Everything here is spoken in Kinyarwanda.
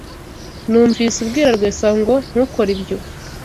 Numvise ubwira Rwesa ngo ntukore ibyo.